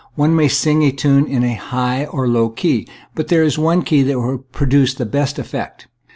One may sing a tune in a high or low key, but there is one key that will produce the best effect.